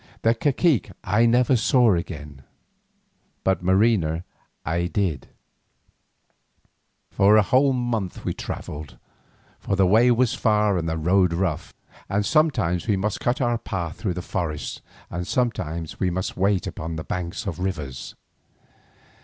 The cacique I never saw again, but Marina I did see. For a whole month we travelled, for the way was far and the road rough, and sometimes we must cut our path through forests and sometimes we must wait upon the banks of rivers.